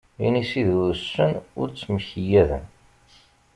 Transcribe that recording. Inisi d wuccen, ur ttemkeyyaden.